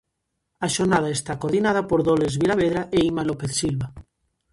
A xornada está coordinada por Dolores Vilavedra e Inma López Silva.